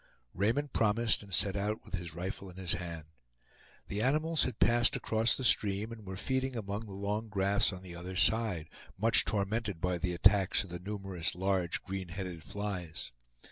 Raymond promised, and set out with his rifle in his hand. The animals had passed across the stream, and were feeding among the long grass on the other side, much tormented by the attacks of the numerous large green headed flies.